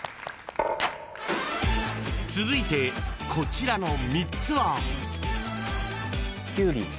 ［続いてこちらの３つは］